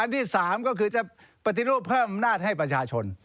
ที่๓ก็คือจะปฏิรูปเพิ่มอำนาจให้ประชาชน